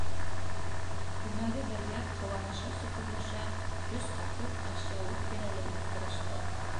Күмәге бергә ҡыуаныша-сөкөрләшә өс ҡатын ашъяулыҡ тирәләй ултырышты.